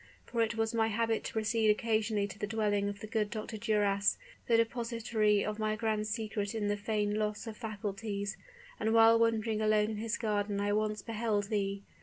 For it was my habit to proceed occasionally to the dwelling of the good Dr. Duras, the depositary of my grand secret of the feigned loss of faculties; and while wandering alone in his garden I once beheld thee!